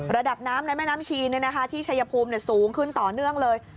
ระดับน้ำในแม่น้ำชีที่ชัยภูมิสูงขึ้นต่อเนื่องเลย